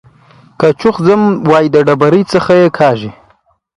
که چوخ ځم وايي د ډبرۍ څخه يې کاږي.